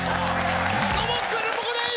どうもクールポコ。です！